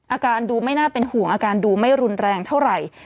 อาการดูไม่น่าเป็นห่วงอาการดูไม่รุนแรงเท่าไหร่